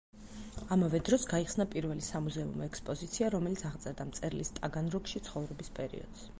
ამავე დროს გაიხსნა პირველი სამუზეუმო ექსპოზიცია, რომელიც აღწერდა მწერლის ტაგანროგში ცხოვრების პერიოდს.